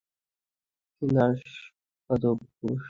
কিন্তু আসব অবশ্যই।